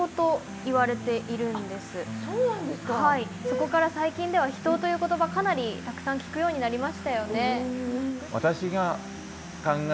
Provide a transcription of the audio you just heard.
そこから最近では「秘湯」という言葉かなりたくさん聞くようになりましたよね。